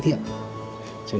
thì nó bị bệnh